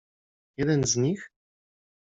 -... jeden z nich?